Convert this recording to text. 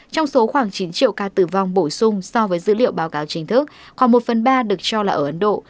trong số khoảng chín triệu ca tử vong bổ sung so với dữ liệu báo cáo chính thức khoảng một phần ba được cho là ở ấn độ